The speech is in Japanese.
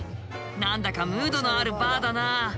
何だかムードのあるバーだな。